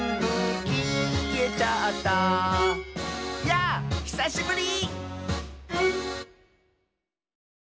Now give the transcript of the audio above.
「やぁひさしぶり！」